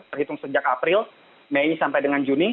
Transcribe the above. terhitung sejak april mei sampai dengan juni